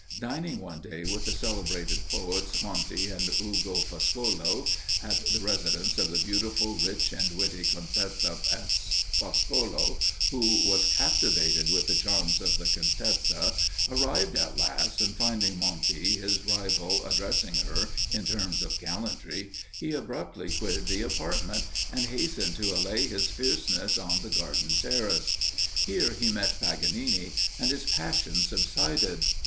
Dining one day with the celebrated poets, Monti and Ugo Foscolo, at the residence of the beautiful, rich, and witty Comtesse F 's, Foscolo, who was captivated with the charms of the Comtesse, arrived the last, and finding Monti, his rival, addressing her in terms of gallantry, he abruptly quitted the apartment, and hastened to allay his fierceness on the garden terrace. Here he met Paganini, and his passion subsided.